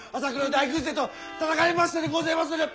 大軍勢と戦いましたでごぜまする！